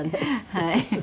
はい。